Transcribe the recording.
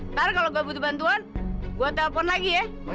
ntar kalau gue butuh bantuan gue telepon lagi ya